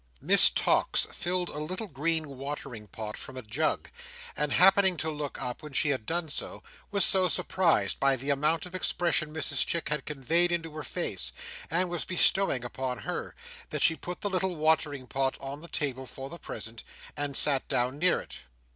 Miss Tox filled a little green watering pot from a jug, and happening to look up when she had done so, was so surprised by the amount of expression Mrs Chick had conveyed into her face, and was bestowing upon her, that she put the little watering pot on the table for the present, and sat down near it.